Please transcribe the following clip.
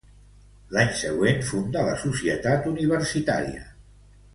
L'any següent, funda la Societat Universitària.